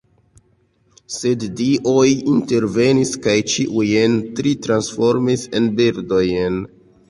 Sed dioj intervenis kaj ĉiujn tri transformis en birdojn.